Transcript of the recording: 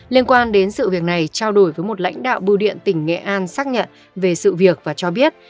liên quan đến sự việc này trao đổi với một lãnh đạo bưu điện tỉnh nghệ an xác nhận về sự việc và cho biết